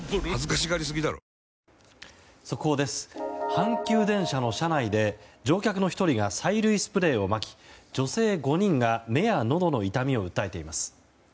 阪急電車の車内で乗客の１人が催涙スプレーをまき女性５人が目やのどの痛みを訴えています。